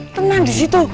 tenang di situ